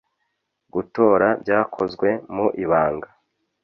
Gutora byakozwe mu ibanga